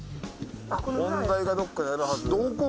問題がどっかにあるはずどこ？